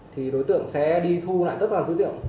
thì đối tượng sẽ đi thu lại tất vào dữ liệu